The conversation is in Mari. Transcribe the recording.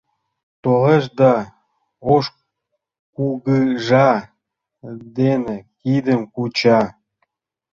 Толеш да ош кугыжа дене кидым куча.